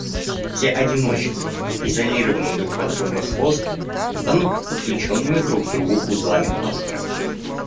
Все одиночные, изолированные друг от друга хосты станут подключенными друг к другу узлами кластера